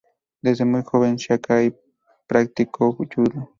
Desde muy joven Sakai practicó judo.